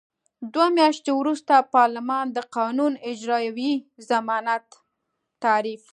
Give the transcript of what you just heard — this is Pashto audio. دوه میاشتې وروسته پارلمان د قانون اجرايوي ضمانت تعریف.